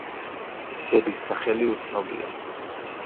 დედის სახელი უცნობია.